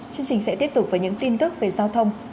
chương trình sẽ tiếp tục với những tin tức về giao thông